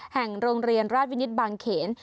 แห่งโรงเรียนราชวินิตบางเขน